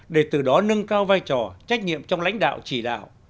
để từ đó nâng cao vai trò trách nhiệm trong lãnh đạo chỉ đạo